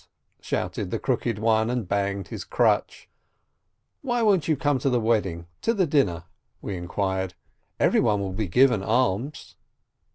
shouted the Crooked One, and banged his crutch. "Why won't you come to the wedding, to the dinner ?" we inquired. "Everyone will be given alms."